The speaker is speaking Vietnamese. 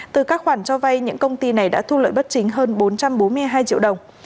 từ các khoản cho vay những công ty này đã thu lợi bất chính hơn bốn trăm bốn mươi hai triệu đồng